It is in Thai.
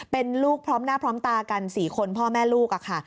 เป็นลูกพร้อมหน้าพร้อมตากัน๔คนพ่อแม่ลูกค่ะ